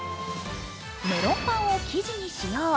メロンパンを生地に使用。